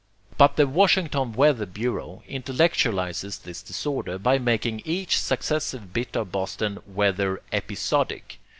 But the Washington weather bureau intellectualizes this disorder by making each successive bit of Boston weather EPISODIC.